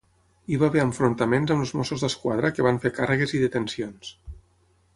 Hi va haver enfrontaments amb els Mossos d'Esquadra, que van fer càrregues i detencions.